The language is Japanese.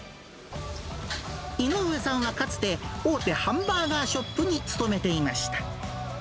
井上さんはかつて、大手ハンバーガーショップに勤めていました。